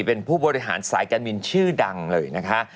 เป็นผู้บริหารสายการบินชื่อดังเลยนะคะ